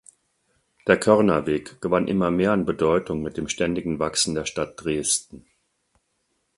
Der Körnerweg gewann immer mehr an Bedeutung mit dem ständigen Wachsen der Stadt Dresden.